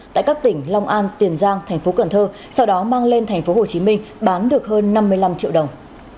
tại các tỉnh long an tiền giang tp cn sau đó mang lên tp hcm bán được hơn năm mươi năm triệu đồng